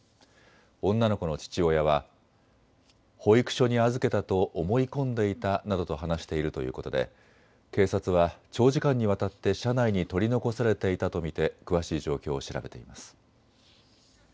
女の子の父親は保育所に預けたと思い込んでいたなどと話しているということで警察は長時間にわたって車内に取り残されていたと見て詳しい状況を調べています。